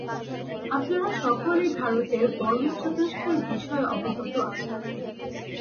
আপনারা সকলেই ভারতের বর্ণচতুষ্টয়ের বিষয়ে অবগত আছেন।